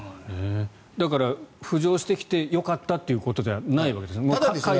だから、浮上してきてよかったということではないわけですね。